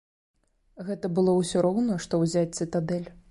Гэта было ўсё роўна што ўзяць цытадэль.